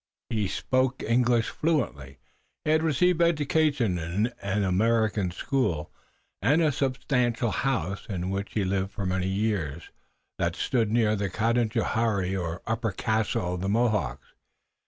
He spoke English fluently, he had received education in an American school, and a substantial house, in which he had lived for many years, stood near the Canajoharie or upper castle of the Mohawks.